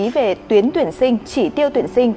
về tuyến tuyển sinh chỉ tiêu tuyển sinh